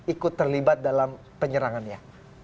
ikut terlibat dalam penyerangannya